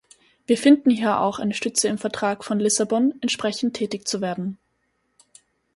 Wir finden hier auch eine Stütze im Vertrag von Lissabon, entsprechend tätig zu werden.